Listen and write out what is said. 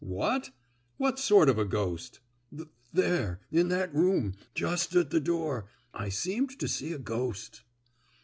"What? What sort of a ghost?" "Th—there—in that room—just at the door, I seemed to see a ghost!"